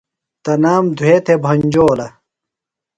تنام دُھوے تھےۡ بھنجولہ۔